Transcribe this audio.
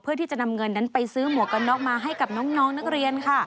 เพื่อที่จะนำเงินนั้นไปซื้อหมวกกันน็อกมาให้กับน้องนักเรียนค่ะ